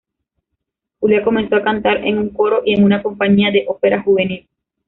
Julia comenzó a cantar en un coro y en una compañía de ópera juvenil.